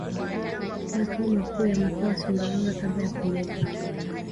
Makao makuu ya mkoa ni Sumbawanga Kabla ya kumegwa